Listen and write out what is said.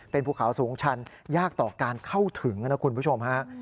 เป็นภูเขาสูงชันยากต่อการเข้าถึงนะคุณผู้ชมฮะ